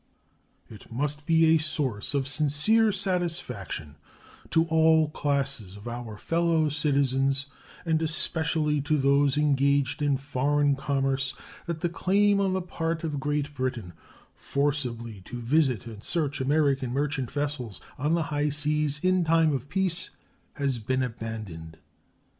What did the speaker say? It must be a source of sincere satisfaction to all classes of our fellow citizens, and especially to those engaged in foreign commerce, that the claim on the part of Great Britain forcibly to visit and search American merchant vessels on the high seas in time of peace has been abandoned.